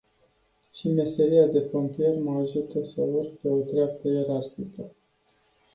Și meseria de pompier mă ajută să urc pe o treaptă ierarhică.